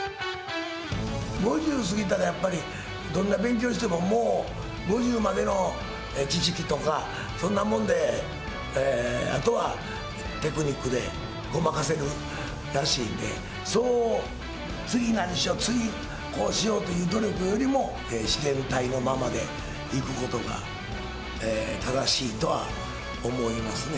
５０過ぎたらやっぱり、どんな勉強しても、もう、５０までの知識とか、そんなもんで、あとはテクニックでごまかせるらしいんで、次何しよう、次こうしようという努力よりも、自然体のままでいくことが、正しいとは思いますね。